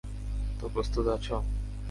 তো প্রস্তুত আছো?